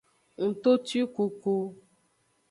Ngtotwikuku.